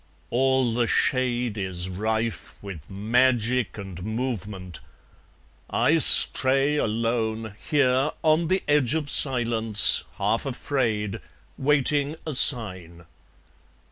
All the shade Is rife with magic and movement. I stray alone Here on the edge of silence, half afraid, Waiting a sign.